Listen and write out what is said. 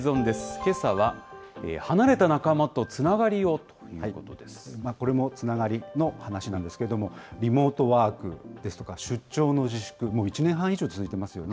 けさは、離れた仲間とつながりをこれもつながりの話なんですけれども、リモートワークですとか出張の自粛、もう１年半以上、続いていますよね。